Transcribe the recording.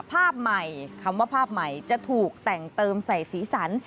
ภาพใหม่คำว่าภาพใหม่จะถูกแต่งเติมใส่สีสัน